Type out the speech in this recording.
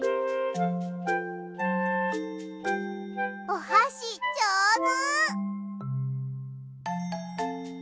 おはしじょうず！